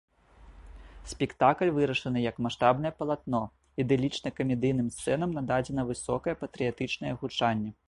Спектакль вырашаны як маштабнае палатно, ідылічна-камедыйным сцэнам нададзена высокае патрыятычнае гучанне.